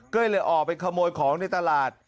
ก็เลยออกไปขโมยของในตลาด